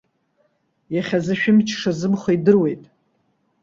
Иахьазы шәымч шазымхо идыруеит.